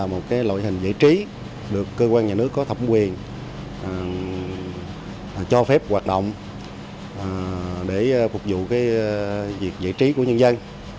một loại hình giải trí được cơ quan nhà nước có thẩm quyền cho phép hoạt động để phục vụ việc giải trí của nhân dân